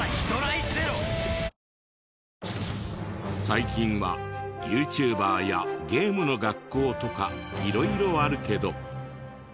最近はユーチューバーやゲームの学校とか色々あるけど。